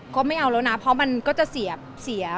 ก็ไม่เอาแล้วนะเพราะมันก็จะเสีย